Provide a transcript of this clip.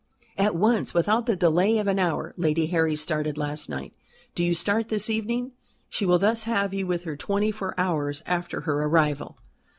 "At once, without the delay of an hour. Lady Harry started last night. Do you start this evening. She will thus have you with her twenty four hours after her arrival."